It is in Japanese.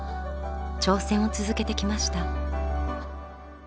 挑戦を続けてきました。